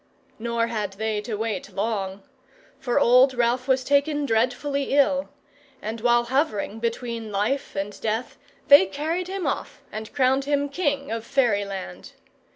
Nor had they to wait long. For old Ralph was taken dreadfully ill; and while hovering between life and death, they carried him off, and crowned him king of Fairyland.